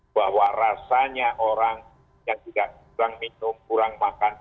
bahwa rasanya orang yang tidak kurang minum kurang makan